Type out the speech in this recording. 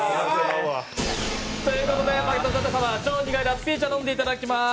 ということで舘様、超苦いラッピー茶を飲んでいただきます。